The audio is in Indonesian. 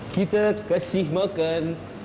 kita kesih makan